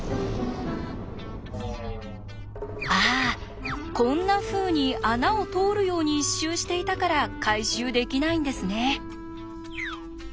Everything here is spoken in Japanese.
ああこんなふうに穴を通るように一周していたから回収できないんですね。